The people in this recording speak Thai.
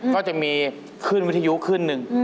ก็จะมีขึ้นวิทยุขึ้นหนึ่ง